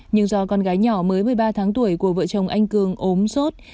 nhưng do con gái nhỏ mới một mươi ba tháng tuổi của vợ chồng anh cường ốm sốt